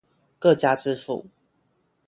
各家支付